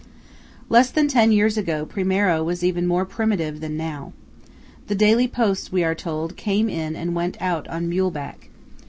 Less than ten years ago, Primiero was even more primitive than now. The daily posts, we are told, came in and went out on mule back.